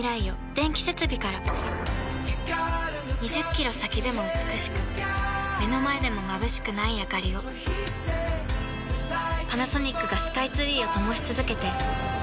２０キロ先でも美しく目の前でもまぶしくないあかりをパナソニックがスカイツリーを灯し続けて今年で１０年